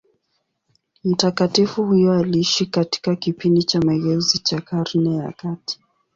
Mtakatifu huyo aliishi katika kipindi cha mageuzi cha Karne za kati.